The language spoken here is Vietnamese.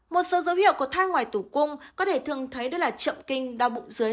một số dấu hiệu của thai ngoài tử cung có thể thường thấy đó là chậm kinh đau bụng dưới